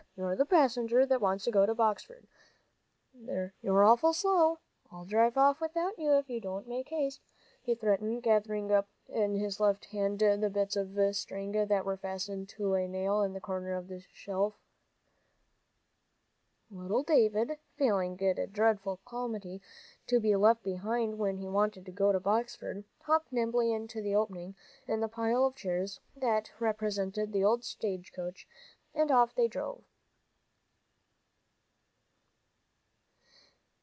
You're the passenger that wants to go to Boxford. You're awful slow. I'll drive off without you if you don't make haste," he threatened, gathering up in his left hand the bits of string that were fastened to a nail in the corner of the shelf. Little David, feeling it a dreadful calamity to be left behind when he wanted to go to Boxford, hopped nimbly into the opening in the pile of chairs that represented the stage coach, and off they drove.